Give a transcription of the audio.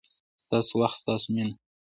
ستاسو وخت، ستاسو مینه